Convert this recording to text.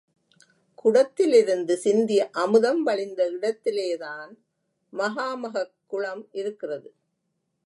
குடத்திலிருந்து சிந்திய அமுதம் வழிந்த இடத்திலேதான் மகாமகக் குளம் இருக்கிறது.